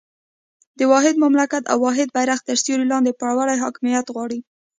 د واحد مملکت او واحد بېرغ تر سیوري لاندې پیاوړی حاکمیت غواړو.